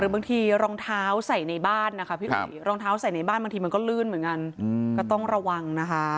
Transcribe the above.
บางทีรองเท้าใส่ในบ้านบางทีนักลื้นเหมือนกันก็ต้องระวัง